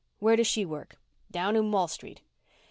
"Where does she work?" "Down in Wall Street."